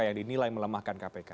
yang dinilai melemahkan kpk